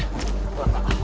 分かった。